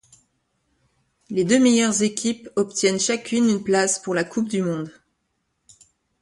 Les deux meilleures équipes obtiennent chacune une place pour la Coupe du monde.